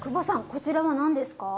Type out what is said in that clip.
こちらは何ですか？